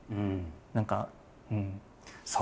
何かうん。